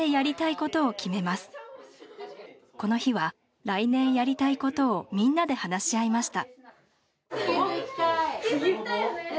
この日は、来年やりたいことをみんなで話し合いました。